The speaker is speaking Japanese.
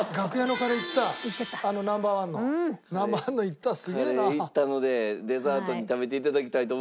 カレーいったのでデザートに食べて頂きたいと思います。